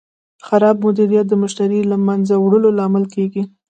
خراب مدیریت د مشتری د له منځه تلو لامل کېږي.